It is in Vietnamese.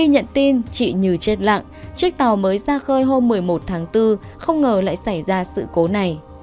nhận tin chị như chết lặng chiếc tàu mới ra khơi hôm một mươi một tháng bốn không ngờ lại xảy ra sự cố này